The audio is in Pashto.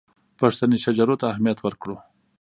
پښتني شجرو ته اهمیت ورکړو.